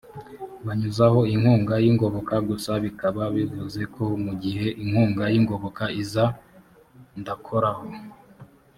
banyuzaho inkunga y’ ingoboka gusa bikaba bivuze ko mu gihe inkunga y’ ingoboka iza ndakoraho